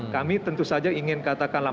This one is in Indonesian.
kami tentu saja ingin katakanlah